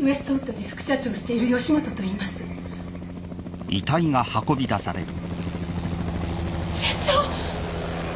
ウエストウッドで副社長をしている吉本といいます社長！